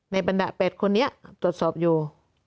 บรรดา๘คนนี้ตรวจสอบอยู่